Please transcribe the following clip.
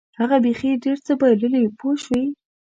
هغه بیخي ډېر څه بایلي پوه شوې!.